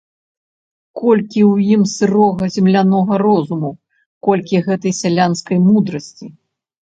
Колькі ў ім сырога землянога розуму, колькі гэтай сялянскай мудрасці.